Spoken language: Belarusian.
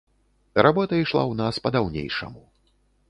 Работа ішла ў нас па-даўнейшаму.